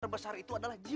terbesar itu adalah jiwa